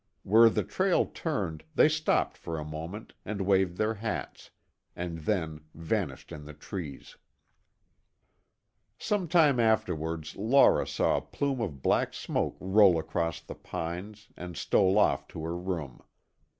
Where the trail turned they stopped for a moment and waved their hats, and then vanished in the trees. Some time afterwards Laura saw a plume of black smoke roll across the pines and stole off to her room.